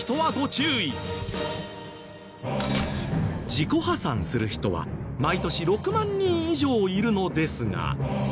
自己破産する人は毎年６万人以上いるのですが。